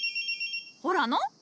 ほらの。